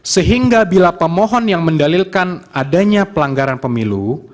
sehingga bila pemohon yang mendalilkan adanya pelanggaran pemilu